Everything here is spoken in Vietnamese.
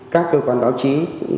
các cơ quan báo trí